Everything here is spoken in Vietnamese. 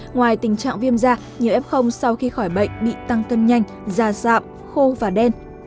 ngoài tình trạng viêm da nhiều ép không sau khi khỏi bệnh bị tăng cân nhanh da sạm khô và đen